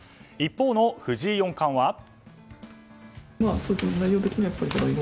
一方の藤井四冠は。